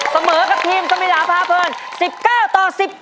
เสมอกับทีมสมิลาพาเพลิน๑๙ต่อ๑๘